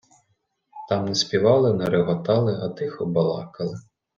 Там не співали, не реготали, а тихо балакали.